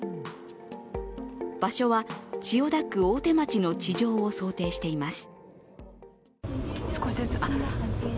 場所は千代田区大手町の地上を想定しています。